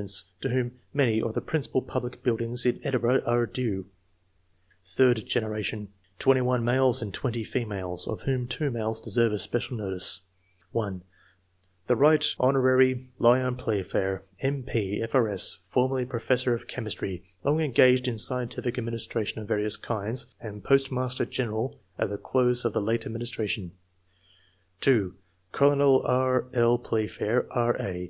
] ANTECEDENTS, 57 to whom many of the principal public buildings in Edinburgh are due. Third generation. — 21 males and 20 females, of whom 2 males deserve especial notice :— (1) The Eight Hon. Lyon Playfair, M.P., F.E.S., formerly professor of chemistry, long engaged in scientific administration of various kinds, and postmaster general at the close of the late administration ; (2) Colonel E. L. Playfair, E. A.